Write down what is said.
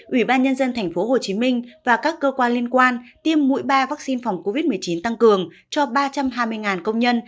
ủy ban nhân dân thành phố hồ chí minh và các cơ quan liên quan tiêm mũi ba vaccine phòng covid một mươi chín tăng cường cho ba trăm hai mươi công nhân